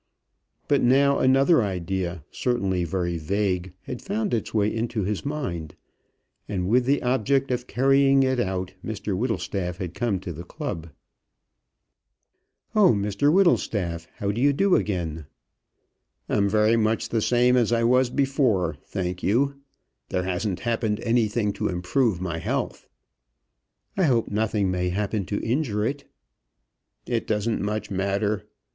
But now another idea, certainly very vague, had found its way into his mind, and with the object of carrying it out, Mr Whittlestaff had come to the club. "Oh, Mr Whittlestaff, how do you do again?" "I'm much the same as I was before, thank you. There hasn't happened anything to improve my health." "I hope nothing may happen to injure it." "It doesn't much matter.